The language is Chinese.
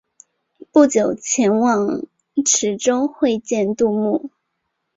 不久前往池州会见杜牧。